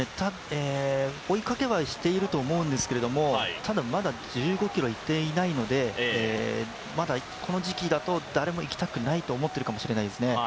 追いかけはしていると思うんですけれども、ただ、まだ１５ｋｍいってないのでまだこの時期だと誰もいきたくないと思ってるかもしれないですね。